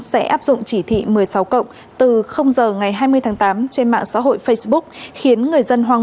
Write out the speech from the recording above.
sẽ áp dụng chỉ thị một mươi sáu cộng từ giờ ngày hai mươi tháng tám trên mạng xã hội facebook khiến người dân hoang